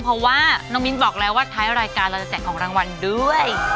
เพราะว่าน้องมิ้นบอกแล้วว่าท้ายรายการเราจะแจกของรางวัลด้วย